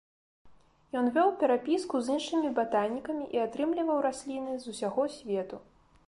Ён вёў перапіску з іншымі батанікамі і атрымліваў расліны з усяго свету.